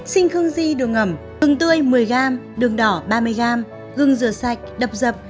xinh khương di đường ẩm gừng tươi một mươi g đường đỏ ba mươi g gừng rửa sạch đập dập